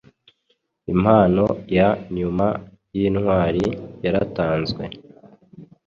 Impano ya nyuma yintwari yaratanzwe